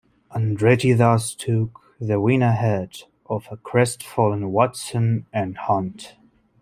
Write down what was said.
Andretti thus took the win ahead of a crestfallen Watson and Hunt.